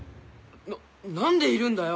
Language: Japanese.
な何でいるんだよ！